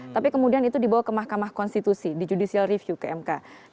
tapi kemudian itu dibawa ke mahkamah konstitusi di judicial review ke mk